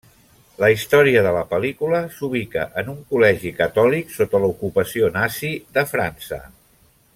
La història de la pel·lícula s'ubica en un col·legi catòlic sota l'ocupació nazi de França.